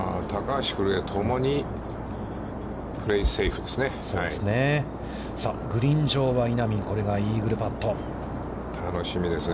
高橋、古江、ともにプレーセーフですね。